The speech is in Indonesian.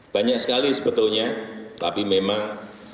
banyak sekali sebetulnya tapi memang